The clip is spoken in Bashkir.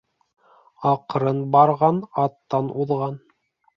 Аҡрын барған аттан уҙған.